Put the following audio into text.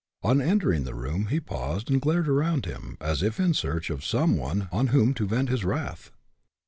On entering the room, he paused and glared around him, as if in search of some one on whom to vent his wrath.